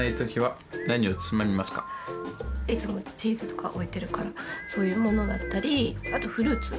いつもチーズとかを置いてるからそういうものだったりあとフルーツ。